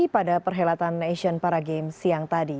pada perhelatan asian paragames siang tadi